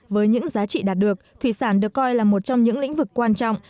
với những giá trị đạt được thủy sản được coi là một trong những lĩnh vực quan trọng